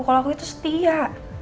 kalau aku itu setia